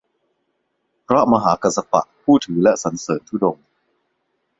พระมหากัสสปะ ผู้ถือและสรรเสิรญธุดงค์